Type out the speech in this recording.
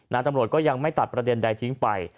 ตำรวจก็ยังไม่ตัดประเด็นใดทิ้งไป